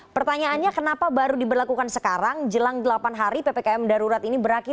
pertanyaannya kenapa baru diberlakukan sekarang jelang delapan hari ppkm darurat ini berakhir